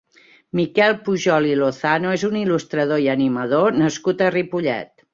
Miquel Pujol i Lozano és un il·lustrador i animador nascut a Ripollet.